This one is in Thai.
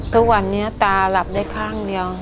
ทุกวันนี้ตาหลับได้ข้างเดียว